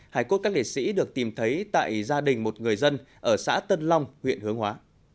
hải cốt các liệt sĩ được tìm thấy tại gia đình một người dân ở xã tân long huyện hướng hóa